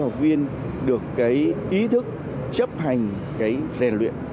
học viên được ý thức chấp hành rèn luyện